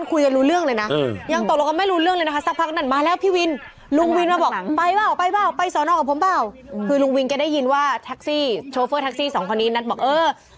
คือลุงวินแกได้ยินว่าทักซี่โชเฟอร์ทักซี่๒คนนี้นัดบอกเออ